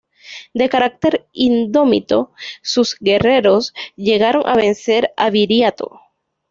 De carácter indómito, sus guerreros llegaron a vencer a Viriato.